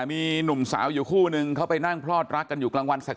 มีหนุ่มสาวอยู่คู่นึงเขาไปนั่งพลอดรักกันอยู่กลางวันแสก